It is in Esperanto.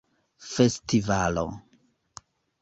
festivalo